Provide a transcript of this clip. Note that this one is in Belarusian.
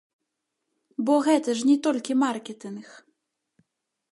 Бо гэта ж не толькі маркетынг!